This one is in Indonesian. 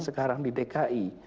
sekarang di dki